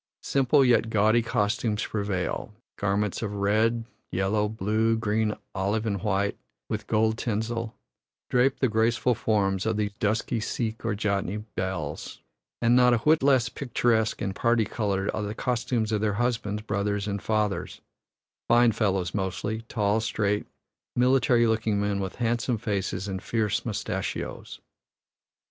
Simple yet gaudy costumes prevail garments of red, yellow, blue, green, olive, and white, with gold tinsel, drape the graceful forms of the dusky Sikh or Jatni belles; and not a whit less picturesque and parti colored are the costumes of their husbands, brothers, and fathers fine fellows mostly, tall, straight, military looking men, with handsome faces and fierce mustashios.